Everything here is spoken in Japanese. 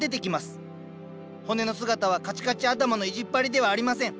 骨の姿はカチカチ頭の意地っ張りではありません。